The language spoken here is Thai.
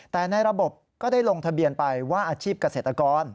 แต่ในระบบก็ได้ลงทะเบียนไปว่าอาชีพเกษตรกร